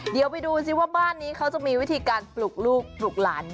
เดี๋ยวไปดูสิว่าบ้านนี้เขาจะมีวิธีการปลูกลูกปลุกหลาน